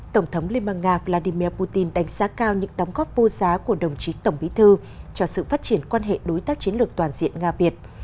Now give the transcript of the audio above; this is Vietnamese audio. tổng thống liên bang nga vladimir putin đánh giá cao những đóng góp vô giá của đồng chí tổng bí thư cho sự phát triển quan hệ đối tác chiến lược toàn diện nga việt